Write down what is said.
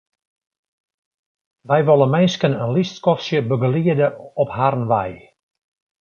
Wy wolle minsken in lyts skoftsje begeliede op harren wei.